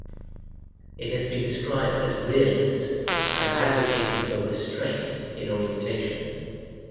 It has been described as "realist" and advocating for "restraint" in orientation.